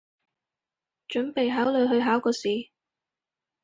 準備考慮去考個試